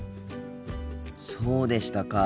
そうでしたか。